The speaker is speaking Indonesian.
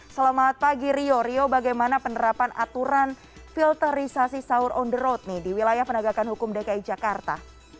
selamat pagi rio rio bagaimana penerapan aturan filterisasi sahur on the road di wilayah penegakan hukum dki jakarta